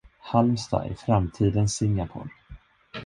Halmstad är framtidens Singapore.